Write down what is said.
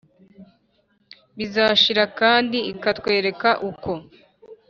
bizashira kandi ikatwereka uko